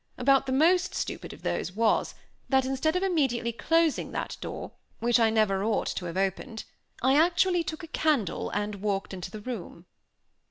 About the most stupid of those was, that instead of immediately closing that door, which I never ought to have opened, I actually took a candle and walked into the room.